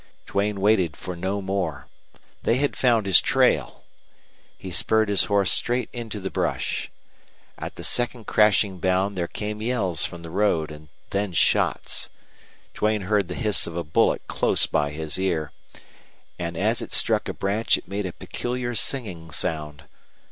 Duane waited for no more. They had found his trail. He spurred his horse straight into the brush. At the second crashing bound there came yells from the road, and then shots. Duane heard the hiss of a bullet close by his ear, and as it struck a branch it made a peculiar singing sound.